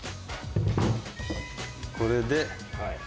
これで。